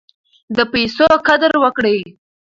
د پیسو قدر وکړئ.